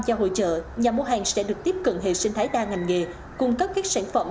gia hội trợ nhà mua hàng sẽ được tiếp cận hệ sinh thái đa ngành nghề cung cấp các sản phẩm